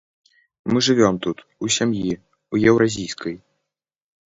Мы жывём тут, у сям'і, у еўразійскай.